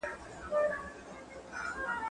زه بايد مړۍ وخورم،